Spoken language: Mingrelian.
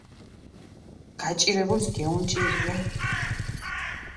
გაჭირებულს გეუნჭირია